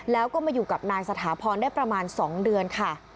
แล้วก็มาอยู่กับนายสถาพรได้ประมาณ๒เดือนค่ะ